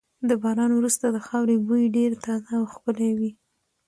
د باران وروسته د خاورې بوی ډېر تازه او ښکلی وي.